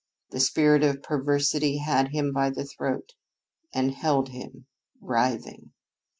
The spirit of perversity had him by the throat and held him, writhing.